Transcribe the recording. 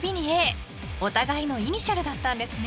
［お互いのイニシャルだったんですね］